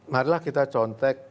marilah kita contek